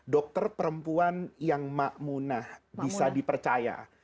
dokter perempuan yang makmunah bisa dipercaya